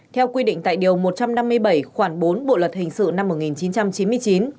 theo quy định tại điều một trăm năm mươi bảy khoảng bốn bộ luật hình sự năm một nghìn chín trăm chín mươi chín